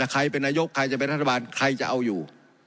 ใครเป็นนายกใครจะเป็นรัฐบาลใครจะเอาอยู่